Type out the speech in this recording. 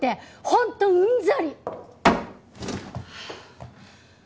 本当うんざり！